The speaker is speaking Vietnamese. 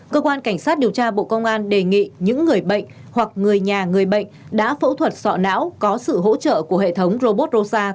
cơ quan cảnh sát điều tra bộ công an đề nghị những người bệnh hoặc người nhà người bệnh đã phẫu thuật sọ não có sự hỗ trợ của hệ thống robot